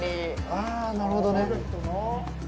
ああ、なるほどね。